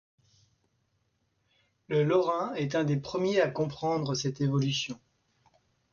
Le Lorrain est un des premiers à comprendre cette évolution.